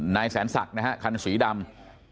นายแสนศักดิ์นะฮะคันสีดำ